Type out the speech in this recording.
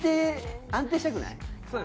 安定したくない？